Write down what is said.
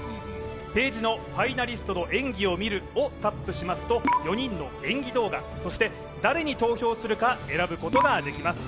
ページのファイナリストの「演技をみる」をタップしますと４人の演技動画、誰に投票するか選ぶことができます。